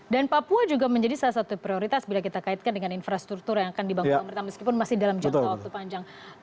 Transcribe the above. dan papua juga menjadi salah satu prioritas bila kita kaitkan dengan infrastruktur yang akan dibangun oleh mereka meskipun masih dalam jangka waktu panjang